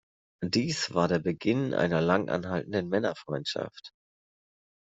Dies war der Beginn einer lang anhaltenden Männerfreundschaft.